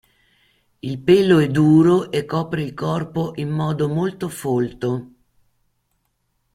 Il pelo è duro e copre il corpo in modo molto folto.